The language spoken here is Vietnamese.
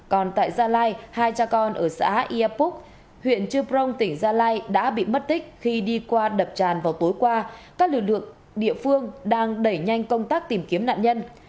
còn tại gia lai hai cha con ở xã iapoc huyện chư prong tỉnh gia lai đã bị mất tích khi đi qua đập tràn vào tối qua các lực lượng địa phương đang đẩy nhanh công tác tìm kiếm nạn nhân